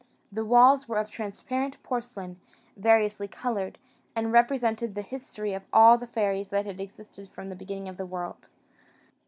The walls were of transparent porcelain, variously coloured, and represented the history of all the fairies that had existed from the beginning of the world.